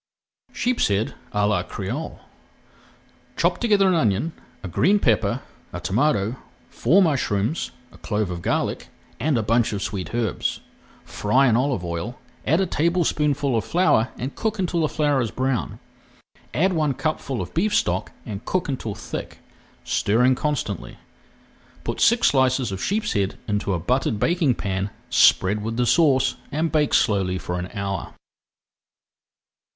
SHEEPSHEAD À LA CRÉOLE Chop together an onion, a green pepper, a tomato, four mushrooms, a clove of garlic and a bunch of sweet herbs. Fry in olive oil, add a tablespoonful of flour and cook until the flour is brown. Add one cupful of beef stock and cook until thick, stirring constantly. Put six slices of sheepshead into a buttered baking pan, spread with the sauce, and bake slowly for an hour.